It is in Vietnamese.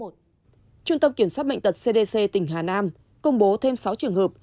trung tâm kiểm soát bệnh tật cdc tỉnh hà nam công bố thêm sáu trường hợp